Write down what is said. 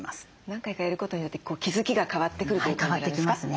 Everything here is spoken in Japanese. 何回かやることによって気付きが変わってくるんですか？